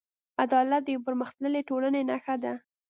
عدالت د یوې پرمختللې ټولنې نښه ده.